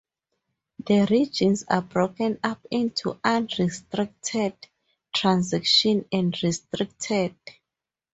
The regions are broken up into unrestricted, transition, and restricted.